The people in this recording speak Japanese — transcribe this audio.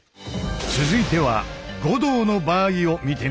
続いては護道の場合を見てみよう。